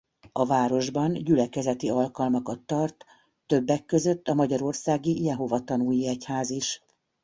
A városban gyülekezeti alkalmakat tart többek között a Magyarországi Jehova Tanúi Egyház is.